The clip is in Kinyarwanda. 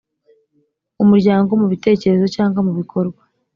umuryango mu bitekerezo cyangwa mu bikorwa